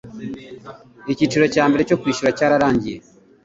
icyiciro cya mbere cyo kwishyura cyararangiye